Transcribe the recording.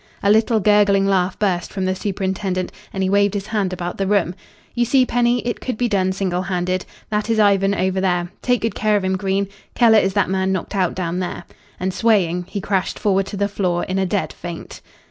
A little gurgling laugh burst from the superintendent, and he waved his hand about the room. "You see, Penny, it could be done, single handed. That is Ivan over there. Take good care of him, Green. Keller is that man knocked out down there." And, swaying, he crashed forward to the floor in a dead faint.